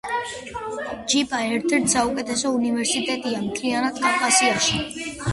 ჯიპა ერთ-ერთი საუკეთესო უნივერსიტეტია მთლიანად კავკასიაში